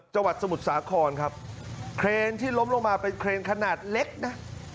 สมุทรสาครครับเครนที่ล้มลงมาเป็นเครนขนาดเล็กนะ